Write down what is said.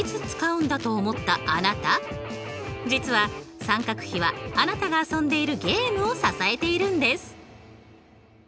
実は三角比はあなたが遊んでいるゲームを支えているんです。